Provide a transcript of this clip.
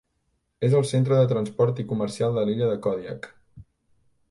És el centre de transport i comercial de l'illa de Kodiak.